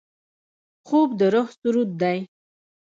خوب د روح سرود دی